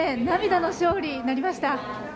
涙の勝利になりました。